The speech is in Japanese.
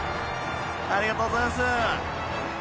［ありがとうございます］